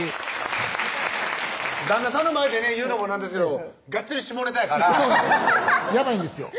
旦那さんの前でね言うのもなんですけどがっつり下ネタやからそうなんですやばいんです